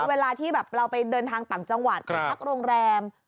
เวลาที่แบบเราไปเดินทางต่างจังหวัดไปพักโรงแรม